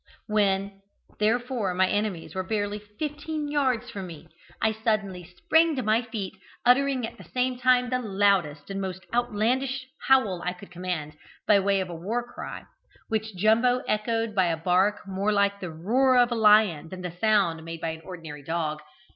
When, therefore, my enemies were barely fifteen yards from me, I suddenly sprang to my feet, uttering at the same time the loudest and most outlandish howl I could command, by way of a war cry, which Jumbo echoed by a bark more like the roar of a lion than the sound made by an ordinary dog.